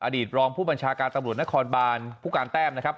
ตรองผู้บัญชาการตำรวจนครบานผู้การแต้มนะครับ